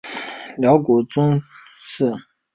辽国宗室。